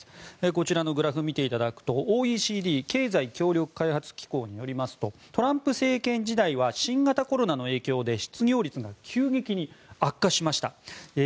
こちらのグラフ見ていただくとＯＥＣＤ・経済協力開発機構によりますとトランプ政権時代は新型コロナの影響で失業率が急激に悪化しました。